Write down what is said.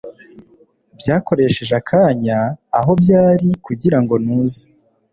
Byakoresheje akanya aho byari kugirango ntuze